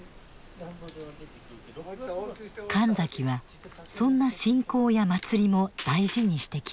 神崎はそんな信仰や祭りも大事にしてきた。